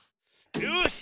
よし。